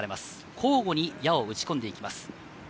交互に矢を撃ち込んでいきます。